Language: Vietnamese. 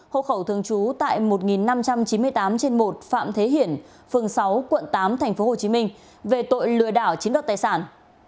hộ khẩu thường trú tại một năm trăm chín mươi tám trên một phạm thế hiển phường sáu quận tám tp hcm về tội lừa đảo chiếm đoạt tài sản